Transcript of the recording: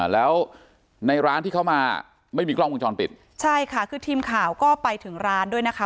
แล้วในร้านที่เขามาไม่มีกล้องวงจรปิดใช่ค่ะคือทีมข่าวก็ไปถึงร้านด้วยนะคะ